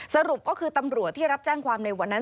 สรุปก็คือตำรวจที่รับแจ้งความในวันนั้น